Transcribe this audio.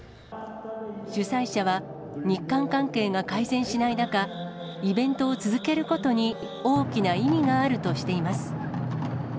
主催者は、日韓関係が改善しない中、イベントを続けることに大きな意味があるとしています。